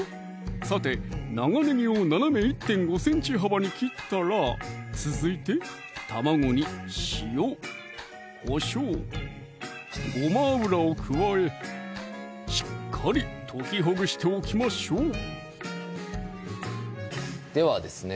さて長ねぎを斜め１．５ｃｍ幅に切ったら続いて卵に塩・こしょう・ごま油を加えしっかり溶きほぐしておきましょうではですね